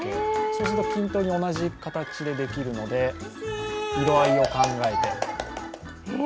そうすると均等に同じ形でできるので、色合いを考えて。